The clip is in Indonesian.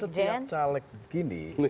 iya jadi setiap caleg gini